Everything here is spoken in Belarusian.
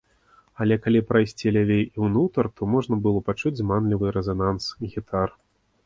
Але, калі прайсці лявей і ўнутр, то можна было пачуць зманлівы рэзананс гітар.